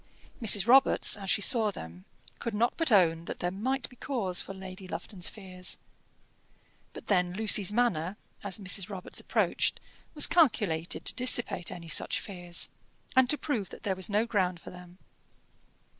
Mrs. Robarts, as she saw them, could not but own that there might be cause for Lady Lufton's fears. But then Lucy's manner, as Mrs. Robarts approached, was calculated to dissipate any such fears, and to prove that there was no ground for them.